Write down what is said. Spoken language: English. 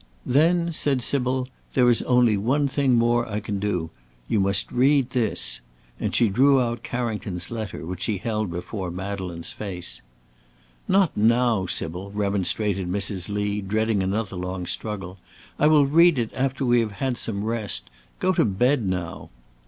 "Then," said Sybil, "there is only one thing more I can do. You must read this!" and she drew out Carrington's letter, which she held before Madeleine's face. "Not now, Sybil!" remonstrated Mrs. Lee, dreading another long struggle. "I will read it after we have had some rest. Go to bed now!"